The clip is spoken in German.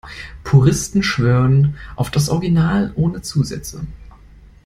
Puristen schwören auf das Original ohne Zusätze.